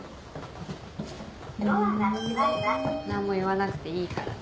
何も言わなくていいからね。